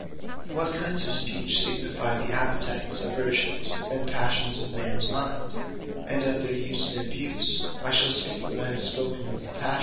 What kinds of Speeches signifie the Appetites, Aversions, and Passions of mans mind; and of their use and abuse, I shall speak when I have spoken of the Passions.